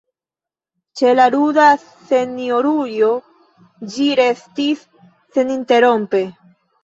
Ĉe la ruda senjorujo ĝi restis seninterrompe.